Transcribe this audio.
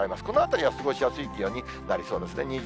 このあたりが過ごしやすい気温になりそうですね。